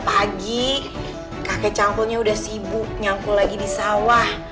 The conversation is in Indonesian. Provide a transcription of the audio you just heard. pagi kakek cangkulnya udah sibuk nyangkul lagi di sawah